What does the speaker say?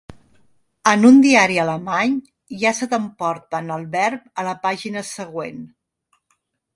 En un diari alemany ja se t'emporten el verb a la pàgina següent.